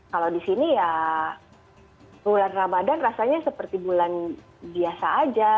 kalau di sini ya bulan ramadhan rasanya seperti bulan biasa aja